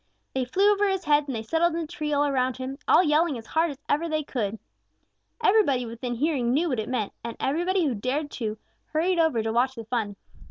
They flew over his head, and they settled in the tree all around him, all yelling as hard as ever they could. Everybody within hearing knew what it meant, and everybody who dared to hurried over to watch the fun.